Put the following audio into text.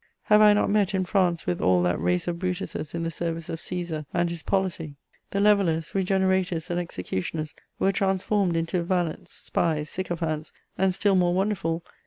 Have I not met, in France, with all that race of Brutuses in the service of Caesar and his policy ? The levellers, regene rators, and executioners were transformed into valets, spies, sycophants, and, still more wonderful